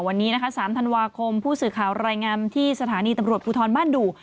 วันนี้นะคะ๓ธันวาคมผู้สื่อข่าวรายงานที่สถานีตำรวจภูทรบ้านดุ